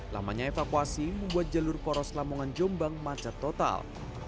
lamanya evakuasi membuat jalur poros lamongan jombang macet total